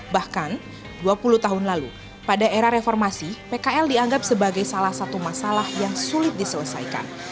bahkan dua puluh tahun lalu pada era reformasi pkl dianggap sebagai salah satu masalah yang sulit diselesaikan